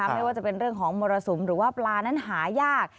ไม่ว่าจะเป็นเรื่องของมรสุมหรือว่าปลานั้นหายาก